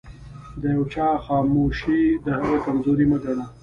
د يوچا خاموښي دهغه کمزوري مه ګنه